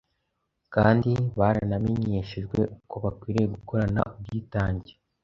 kandi baranamenyeshejwe uko bakwiriye gukorana ubwitange,